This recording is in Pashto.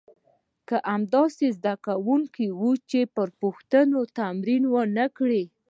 کم داسې زده کوونکي وو چې پر پوښتنو تمرین ونه کړي.